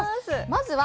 まずは。